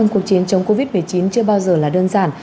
cuộc chiến chống covid một mươi chín chưa bao giờ là đơn giản